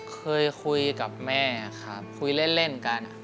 เคยคุยกับแม่ครับคุยเล่นกัน